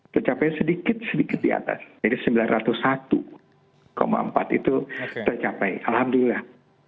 tercapai sedikit sedikit di atas jadi sembilan ratus satu empat itu tercapai alhamdulillah